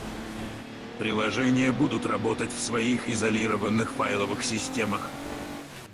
Приложения будут работать в своих изолированных файловых системах